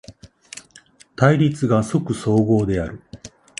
対立が即綜合である。